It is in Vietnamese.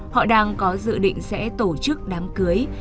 họ đang có dự định sẽ tổ chức đám cưới